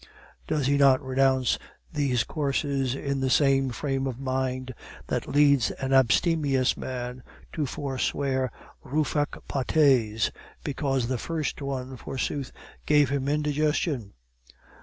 Does he not renounce these courses in the same frame of mind that leads an abstemious man to forswear Ruffec pates, because the first one, forsooth, gave him the indigestion?